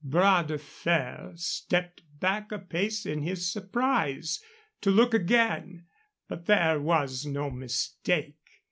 Bras de Fer stepped back a pace in his surprise to look again; but there was no mistake.